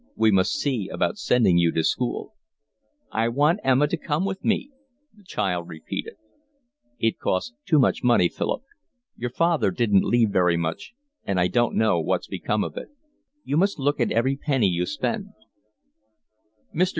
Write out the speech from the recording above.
We must see about sending you to school." "I want Emma to come with me," the child repeated. "It costs too much money, Philip. Your father didn't leave very much, and I don't know what's become of it. You must look at every penny you spend." Mr.